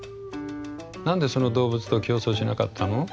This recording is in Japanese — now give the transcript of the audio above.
何でその動物と競走しなかったの？